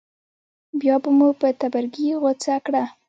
بیا به مو په تبرګي غوڅه کړه.